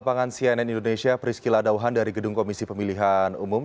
propangan cnn indonesia priscila dauhan dari gedung komisi pemilihan umum